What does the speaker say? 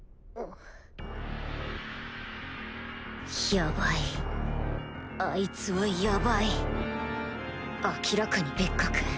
ヤバいあいつはヤバい明らかに別格